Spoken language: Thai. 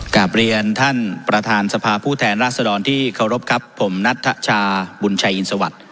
กลับเรียนท่านประธานสภาผู้แทนราษฎรที่เคารพครับผมนัทชาบุญชัยอินสวัสดิ์